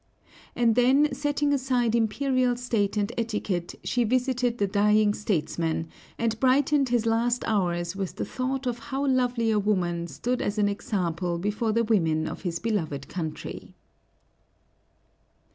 And then, setting aside imperial state and etiquette, she visited the dying statesman, and brightened his last hours with the thought of how lovely a woman stood as an example before the women of his beloved country.